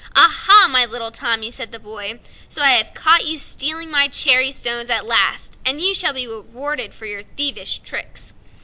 "Ah, ah! my little Tommy," said the boy, "so I have caught you stealing my cherry stones at last, and you shall be rewarded for your thievish tricks."